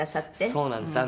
「そうなんです」